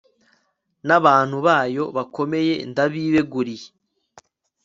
n'abantu bayo bakomeye, ndabibeguriye